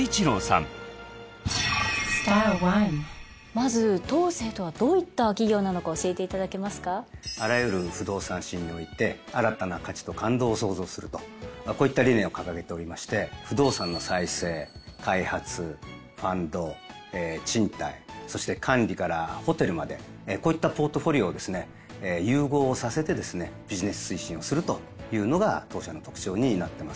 まずトーセイとはどういった企業なのか教えていただけますか？とこういった理念を掲げておりまして不動産の再生開発ファンド賃貸そして管理からホテルまでこういったポートフォリオをですね融合させてですねビジネス推進をするというのが当社の特徴になってます。